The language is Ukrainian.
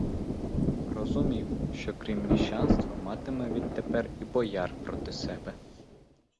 Розумів, що крім міщанства матиме від тепер і бояр проти себе.